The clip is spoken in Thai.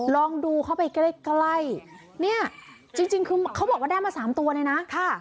ลองดูเข้าไปใกล้ใกล้เนี่ยจริงคือเขาบอกว่าได้มาสามตัวเลยนะค่ะ